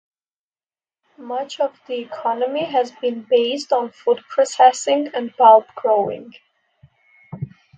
Much of the economy has been based on food processing and bulb growing.